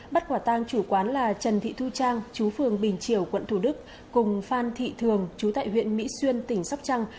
bắt quả tang chủ quán là trần thị thu trang chú phường bình triều quận thủ đức cùng phan thị thường chú tại huyện mỹ xuyên tỉnh sóc trăng